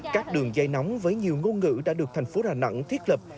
các đường dây nóng với nhiều ngôn ngữ đã được thành phố đà nẵng thiết lập